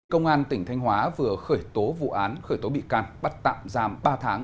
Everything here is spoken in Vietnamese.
công an tỉnh thanh hóa vừa khởi tố vụ án khởi tố bị can bắt tạm giam ba tháng